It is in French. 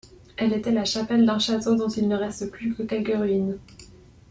Elle était la chapelle d'un château dont il ne reste plus que quelques ruines.